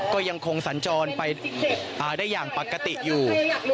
ก็ยังคงสัญจรไปได้อย่างปกติอยู่